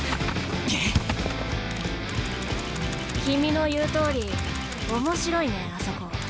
君の言うとおり面白いねあそこ今。